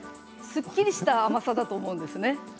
すっきりした甘さだと思うんですね。